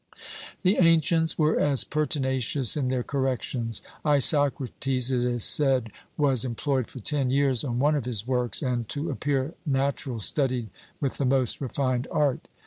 The ancients were as pertinacious in their corrections. Isocrates, it is said, was employed for ten years on one of his works, and to appear natural studied with the most refined art.